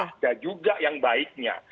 ada juga yang baiknya